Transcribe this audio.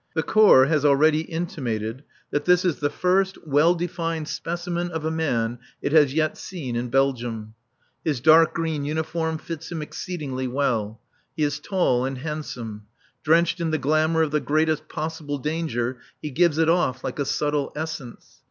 The Corps has already intimated that this is the first well defined specimen of a man it has yet seen in Belgium. His dark green uniform fits him exceedingly well. He is tall and handsome. Drenched in the glamour of the greatest possible danger, he gives it off like a subtle essence.